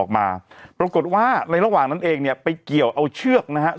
ออกมาปรากฏว่าในระหว่างนั้นเองเนี้ยไปเกี่ยวเอา